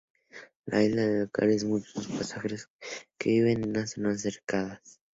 La isla es el hogar de muchos pájaros que viven en zonas cercadas.